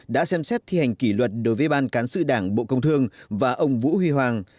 đã xem xét thi hành kỷ luật đối với ban cán sự đảng bộ công thương và ông vũ huy hoàng